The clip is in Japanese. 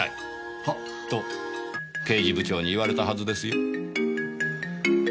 はっ？と刑事部長に言われたはずですよ？